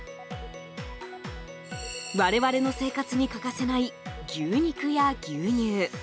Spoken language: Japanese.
我々の生活に欠かせない牛肉や牛乳。